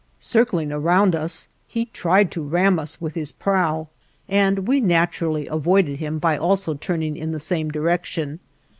Circling around us he tried to ram us with his prow, and we naturally avoided him by also turning in the same direction.